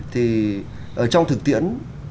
thì trong thực tiễn